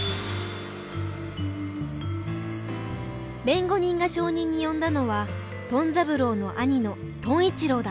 弁護人が証人に呼んだのはトン三郎の兄のトン一郎だ。